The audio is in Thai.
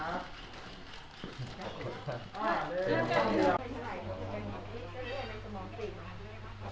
โอเคนะครับผมเราก็จะไปมองกันกับน้องที่พรหมัด